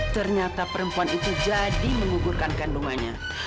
ternyata perempuan itu jadi mengugurkan kandungannya